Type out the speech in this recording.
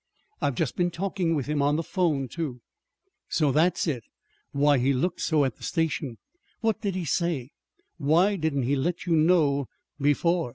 I've just been talking with him on the 'phone, too." "So that's it why he looked so at the station! What did he say? Why didn't he let you know before?"